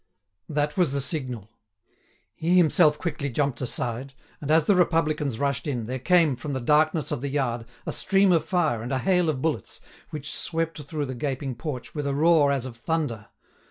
That was the signal. He himself quickly jumped aside, and as the Republicans rushed in, there came, from the darkness of the yard, a stream of fire and a hail of bullets, which swept through the gaping porch with a roar as of thunder.